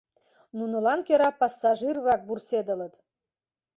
Нунылан кӧра пассажир-влак вурседылыт.